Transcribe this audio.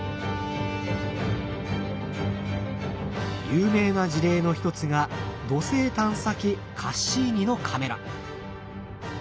有名な事例の一つが土星探査機カッシーニのカメラ。